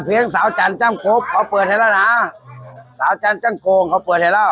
เพียงสาวจันทร์จ้างครบเขาเปิดให้แล้วน่ะสาวจันทร์จ้างโกงเขาเปิดให้แล้ว